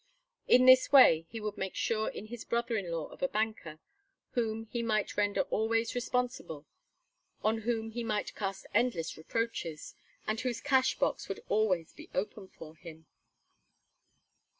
In this way he would make sure in his brother in law of a banker whom he might render always responsible, on whom he might cast endless reproaches, and whose cash box would always be open for him.